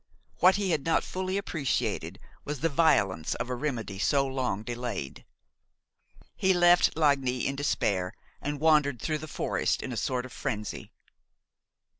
What he had not fully appreciated was the violence of a remedy so long delayed. He left Lagny in despair and wandered through the forest in a sort of frenzy.